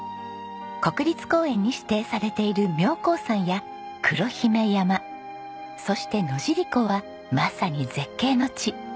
国立公園に指定されている妙高山や黒姫山そして野尻湖はまさに絶景の地。